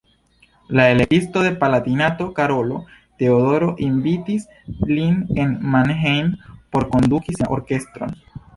La Elektisto de Palatinato Karolo Teodoro invitis lin en Mannheim por konduki sian orkestron.